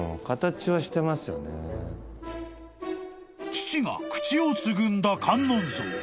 ［父が口をつぐんだ観音像］